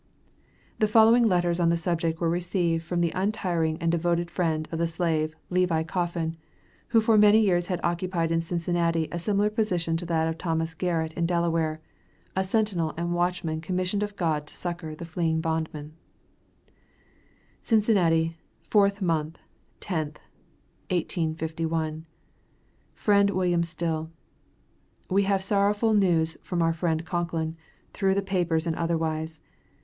The following letters on the subject were received from the untiring and devoted friend of the slave, Levi Coffin, who for many years had occupied in Cincinnati a similar position to that of Thomas Garrett in Delaware, a sentinel and watchman commissioned of God to succor the fleeing bondman CINCINNATI, 4TH MO., 10TH, 1851. FRIEND WM. STILL: We have sorrowful news from our friend Concklin, through the papers and otherwise.